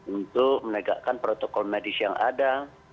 untuk menegakkan protokol medis yang ada